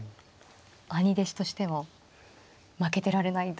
兄弟子としても負けてられないという。